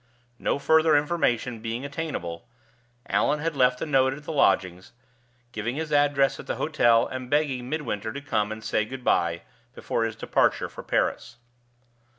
No further information being attainable, Allan had left a note at the lodgings, giving his address at the hotel, and begging Midwinter to come and say good by before his departure for Paris.